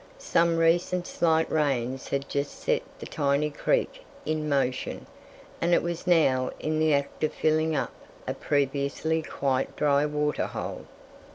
Some recent slight rains had just set the tiny creek in motion, and it was now in the act of filling up a previously quite dry waterhole.